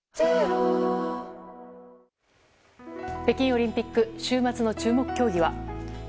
北京オリンピック週末の注目競技は。